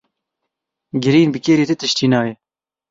Girîn bi kêrî ti tiştî nayê.